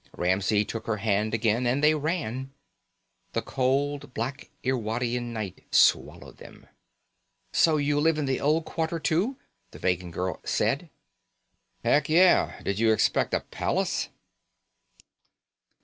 Ramsey took her hand again and they ran. The cold black Irwadian night swallowed them. "So you live in the Old Quarter too," the Vegan girl said. "Heck yeah. Did you expect a palace?"